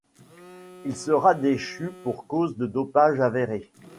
Il sera déchu pour cause de dopage avéré.